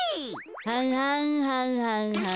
はんはんはんはんはん。